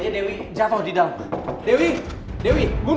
dewi jatoh di dalam